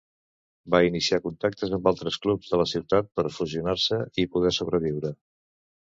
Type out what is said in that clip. Va iniciar contactes amb altres clubs de la ciutat per fusionar-se i poder sobreviure.